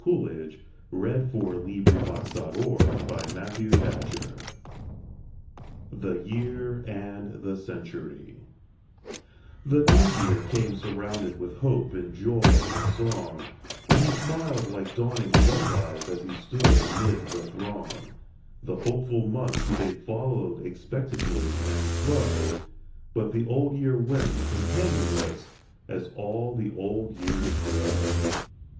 THE YEAR AND THE CENTURY IOI THE YEAR AND THE CENTURY THE New Year came surrounded with Hope and Joy and Song, And he smiled like dawning sunrise as he stood amid the throng. The hopeful months they followed expectantly and slow ; But the Old Year went companionless, as all the Old Years go.